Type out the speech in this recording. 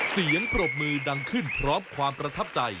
ปรบมือดังขึ้นพร้อมความประทับใจ